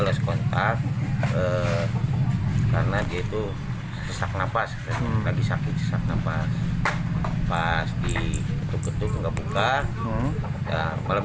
les kontak karena jatuh sesak nafas lagi sakit sakna pas pasti betul betul enggak buka malam